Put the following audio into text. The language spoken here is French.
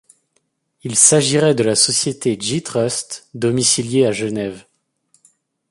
Il s’agirait de la société Getrust, domiciliée à Genève.